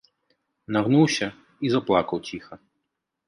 Нагнуўся і заплакаў ціха.